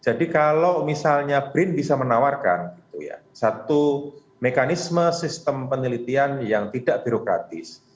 jadi kalau misalnya brin bisa menawarkan satu mekanisme sistem penelitian yang tidak birokratis